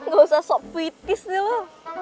gak usah sok puitis nih lo